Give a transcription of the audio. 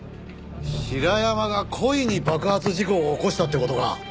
平山が故意に爆発事故を起こしたって事か？